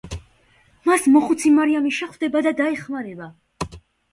მას მოხუცი ქალი მარიამი შეხვდება და დაეხმარება.